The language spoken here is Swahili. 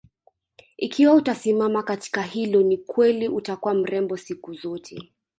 Ikiwa utasimama katika hilo ni kweli utakuwa mrembo siku zote